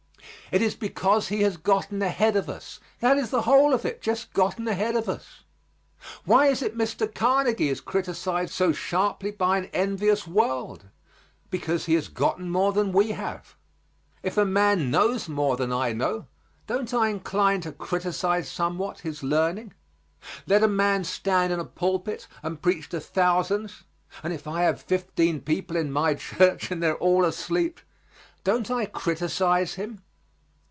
It is because he has gotten ahead of us; that is the whole of it just gotten ahead of us. Why is it Mr. Carnegie is criticised so sharply by an envious world? Because he has gotten more than we have. If a man knows more than I know, don't I incline to criticise somewhat his learning? Let a man stand in a pulpit and preach to thousands, and if I have fifteen people in my church, and they're all asleep, don't I criticise him?